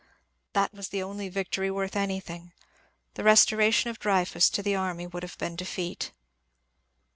That was the only victory worth anything. The restoration of Dreyfus to the army would have been defeat.